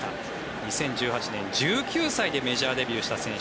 ２０１８年１９歳でメジャーデビューした選手。